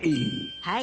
はい。